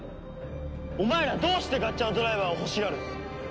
お前らどうしてガッチャードライバーを欲しがる？